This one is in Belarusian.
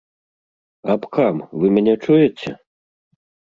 Абкам, вы мяне чуеце?